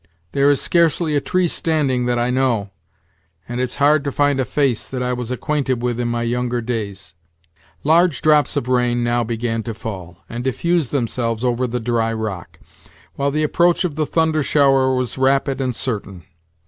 There is scarcely a tree standing that I know, and it's hard to find a face that I was acquainted with in my younger days." Large drops of rain now began to fall, and diffuse themselves over the dry rock, while the approach of the thunder shower was rapid and certain.